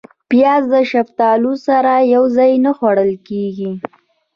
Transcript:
پیاز د شفتالو سره یو ځای نه خوړل کېږي